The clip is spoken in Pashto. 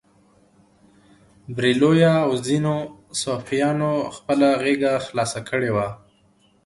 بریلویه او ځینو صوفیانو خپله غېږه خلاصه کړې وه.